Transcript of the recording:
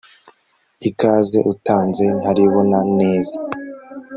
ikaze utanze ntaribona neza